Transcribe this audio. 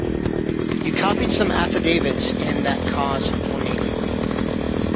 You copied some affidavits in that cause for me lately.